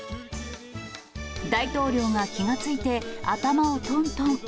大統領が気が付いて、頭をとんとん。